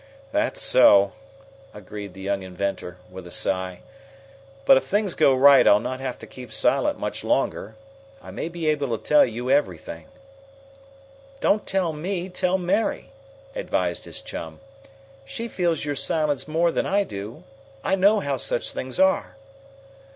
"That's so," agreed the young inventor, with a sigh. "But if things go right I'll not have to keep silent much longer. I may be able to tell you everything." "Don't tell me tell Mary," advised his chum. "She feels your silence more than I do. I know how such things are."